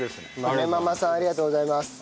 マメママさんありがとうございます。